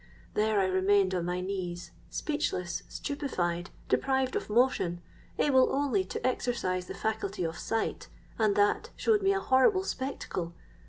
There I remained on my knees—speechless, stupified, deprived of motion,—able only to exercise the faculty of sight; and that showed me a horrible spectacle!